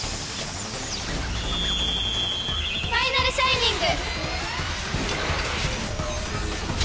ファイナルシャイニング！